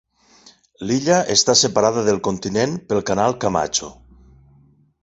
L'illa està separada del continent pel canal Camacho.